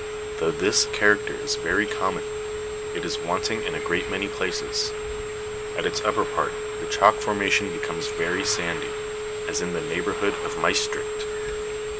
Though this character is very common, it is wanting in a great many places. At its upper part the chalk formation becomes very sandy, as in the neighbourhood of Maestricht.